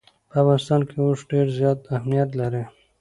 په افغانستان کې اوښ ډېر زیات اهمیت لري.